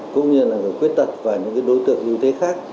cũng như là người quyết tật và những đối tượng như thế khác